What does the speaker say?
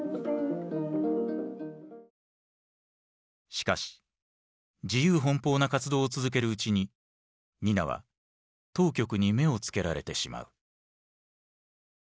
しかし自由奔放な活動を続けるうちにニナは当局に目を付けられてしまう。